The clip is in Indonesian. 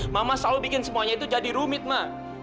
mama selalu bikin semuanya jadi rumit ma